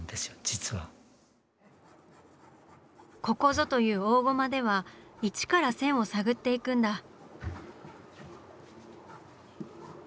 ここぞという大ゴマでは一から線を探っていくんだ。